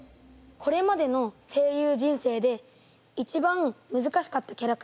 これまでの声優人生で一番むずかしかったキャラクターは何ですか？